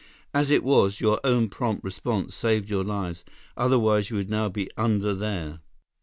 "As it was, your own prompt response saved your lives. Otherwise, you would now be under there."